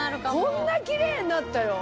こんなきれいになったよ。